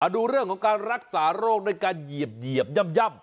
ดูเรื่องของการรักษาโรคด้วยการเหยียบย่ำ